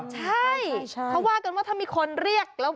ใช่เขาว่ากันว่าถ้ามีคนเรียกแล้ว